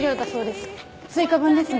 追加分ですね。